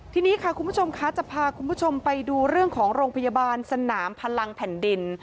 ทีนี้ค่ะคุณผู้ชมคะจะพาคุณผู้ชมไปดูเรื่องของโรงพยาบาลสนามพลังแผ่นดิน